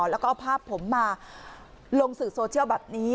แล้วก็เอาภาพผมมาลงสื่อโซเชียลแบบนี้